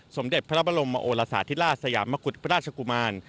สมเด็จพระบรมโอลสาธิราชสยามกุฎพระราชกุมาร